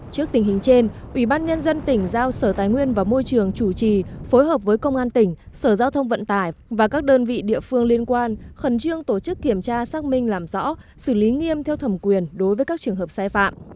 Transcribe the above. trước tình hình trên ủy ban nhân dân tỉnh giao sở tài nguyên và môi trường chủ trì phối hợp với công an tỉnh sở giao thông vận tải và các đơn vị địa phương liên quan khẩn trương tổ chức kiểm tra xác minh làm rõ xử lý nghiêm theo thẩm quyền đối với các trường hợp sai phạm